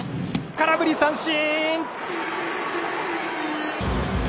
空振り三振。